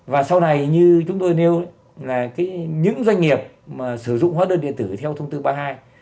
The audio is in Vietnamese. và sau này như chúng tôi nêu là những doanh nghiệp mà sử dụng hóa đơn điện tử theo thông tin thứ ba hai